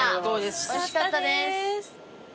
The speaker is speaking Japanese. おいしかったです。